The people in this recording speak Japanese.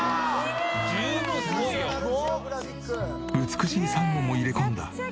美しい珊瑚も入れ込んだ